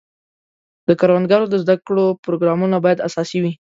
د کروندګرو د زده کړو پروګرامونه باید اساسي وي.